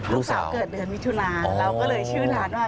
ลูกสาวเกิดเดินมิทุนาเราก็เลยชื่อร้านว่า